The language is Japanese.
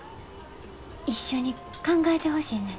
一緒に考えてほしいねん。